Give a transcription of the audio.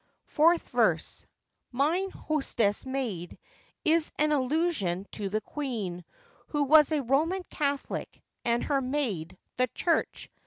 Fourth Verse.—'Mine hostess's maid' is an allusion to the Queen, who was a Roman Catholic, and her maid, the Church.